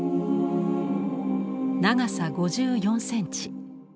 長さ５４センチ。